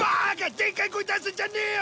でっかい声出すんじゃねえよ！